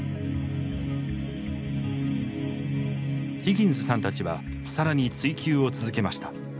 ヒギンズさんたちは更に追及を続けました。